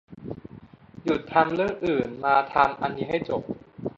หยุดทำเรื่องอื่นมาทำอันนี้ให้จบ